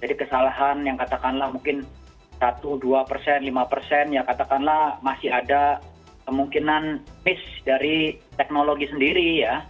jadi kesalahan yang katakanlah mungkin satu dua persen lima persen ya katakanlah masih ada kemungkinan miss dari teknologi sendiri ya